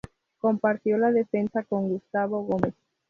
Compartió la defensa con Gustavo Gómez.